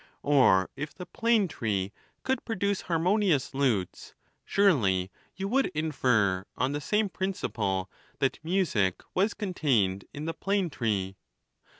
Or if the plane tree could produce harmonious lutes, surely you would infer, on the same principle, that music was con tained in the plane tree.